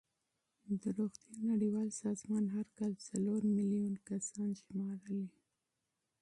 د روغتیا نړیوال سازمان هر کال څلور میلیون کسان شمېرلې.